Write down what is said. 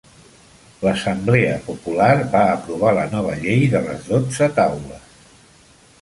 L'assemblea popular va aprovar la nova Llei de les dotze taules.